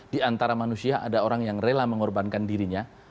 di antara manusia ada orang yang rela mengorbankan dirinya